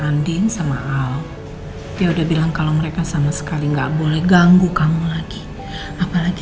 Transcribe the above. banding sama al dia udah bilang kalau mereka sama sekali nggak boleh ganggu kamu lagi apalagi